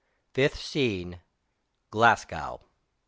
FIFTH SCENE. GLASGOW.